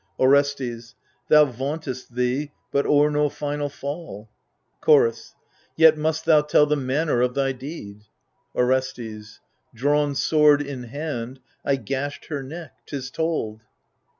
Orestes Thou vauntest thee — but o'er no final fall. Chorus Yet must thou tell the manner of thy deed. Orestes Drawn sword in hand, I gashed her neck. 'Tis told.